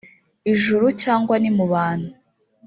ijuru cyangwa ni mu bantu